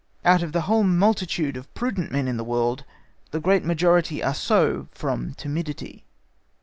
Out of the whole multitude of prudent men in the world, the great majority are so from timidity.